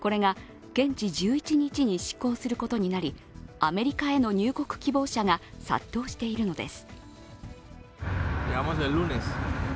これが現地１１日に失効することになり、アメリカへの入国希望者が殺到しているのです。